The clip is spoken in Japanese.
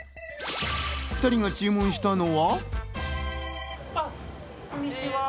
２人が注文したのは。